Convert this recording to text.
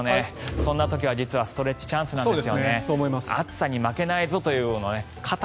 そんな時は実はストレッチチャンスです。